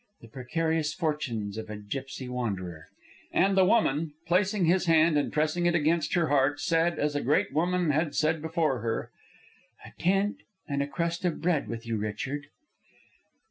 "The precarious fortunes of a gypsy wanderer." And the woman, placing his hand and pressing it against her heart, said, as a great woman had said before her, "A tent and a crust of bread with you, Richard."